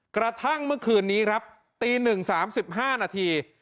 กระทั่งเมื่อคืนนี้ครับตี๑๓๕นาที